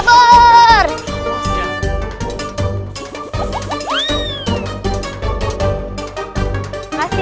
kasih ya pak ustadz